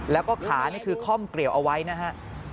แล้วก็ขานี่คือค่อมเกลียวเอาไว้นะฮะ